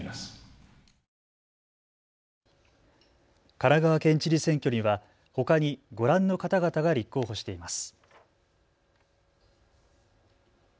神奈川県知事選挙にはほかにご覧の方々が立候補しています。